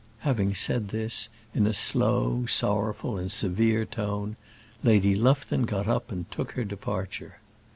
Having said this, in a slow, sorrowful, and severe tone, Lady Lufton got up and took her departure.